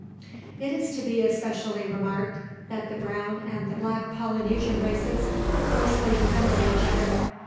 It is to be especially remarked that the brown and the black Polynesian races closely resemble each other.